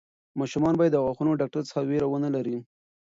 ماشومان باید د غاښونو د ډاکټر څخه وېره ونه لري.